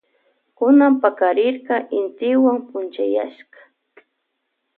Kunan pakarirka intiwan punchayashka.